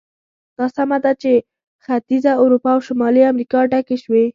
دا سمه ده چې ختیځه اروپا او شمالي امریکا ډکې شوې.